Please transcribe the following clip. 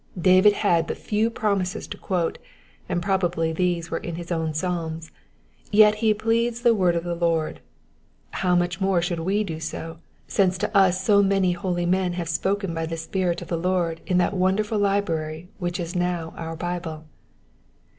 David had but few promises to quote, and probably these were in his own psalms, yet he pleads the word of the Lord ; how much more should we do so, since to us so many holy men have spoken by the Spirit of the Lord in that wonderful library which is now our Bible.